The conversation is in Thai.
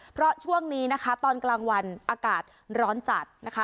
เพราะช่วงนี้นะคะตอนกลางวันอากาศร้อนจัดนะคะ